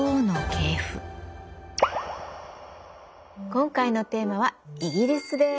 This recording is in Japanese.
今回のテーマは「イギリス」です。